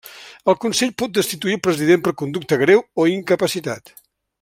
El consell pot destituir el president per conducta greu o incapacitat.